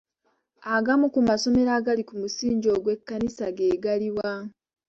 Agamu ku masomero agali ku musingi gw'ekkanisa ge gali wa?